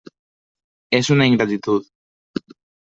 És una ingratitud.